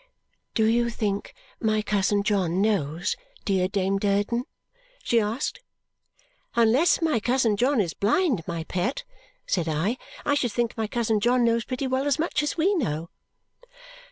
"Do you think my cousin John knows, dear Dame Durden?" she asked. "Unless my cousin John is blind, my pet," said I, "I should think my cousin John knows pretty well as much as we know."